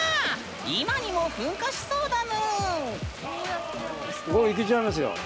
今にも噴火しそうだぬん。